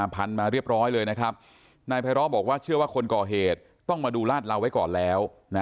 ไพร้อบบอกว่าเชื่อว่าคนเกาะเหตุต้องมาดูร้านเราไว้ก่อนแล้ว